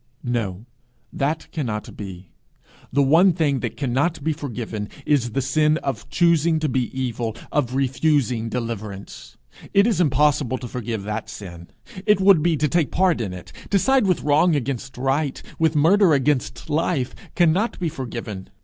'No; that cannot be. The one thing that cannot be forgiven is the sin of choosing to be evil, of refusing deliverance. It is impossible to forgive that sin. It would be to take part in it. To side with wrong against right, with murder against life, cannot be forgiven.